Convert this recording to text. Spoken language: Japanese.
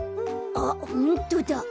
あっホントだ。